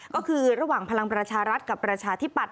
ก็คือระหว่างพลังประชารัฐกับประชาธิปัตย